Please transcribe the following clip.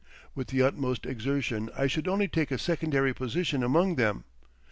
With the utmost exertion I should only take a secondary position among them.